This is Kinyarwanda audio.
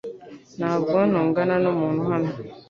Ntabwo ntongana numuntu hano .